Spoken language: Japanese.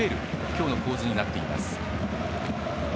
今日の構図になっています。